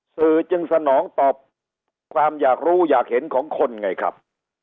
สื่อจึงสนองตอบความอยากรู้อยากเห็นของคนไงครับ